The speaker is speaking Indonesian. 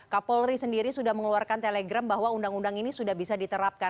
kapolri sendiri sudah mengeluarkan telegram bahwa undang undang ini sudah bisa diterapkan